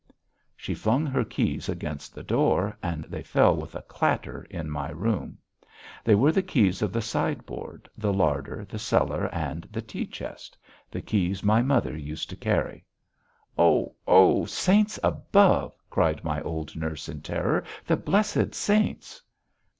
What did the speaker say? She flung her keys against the door and they fell with a clatter in my room. They were the keys of the side board, the larder, the cellar, and the tea chest the keys my mother used to carry. "Oh! Oh! Saints above!" cried my old nurse in terror. "The blessed saints!"